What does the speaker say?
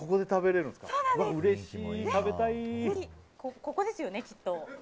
ここですよねきっと。